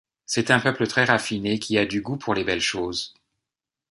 C'est un peuple très raffiné qui a du goût pour les belles choses.